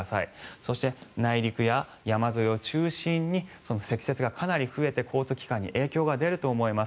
そして内陸や山沿いを中心に積雪がかなり増えて交通機関に影響が出ると思います。